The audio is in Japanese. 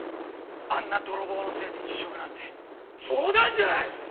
あんな泥棒のせいで辞職なんて冗談じゃない！